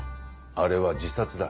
あれは自殺だ。